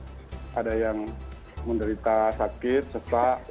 mereka ada yang menderita sakit sesak lumpuh